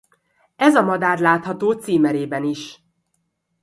Ez a madár látható címerében is.